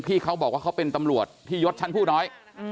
เขาบอกว่าเขาเป็นตำรวจที่ยศชั้นผู้น้อย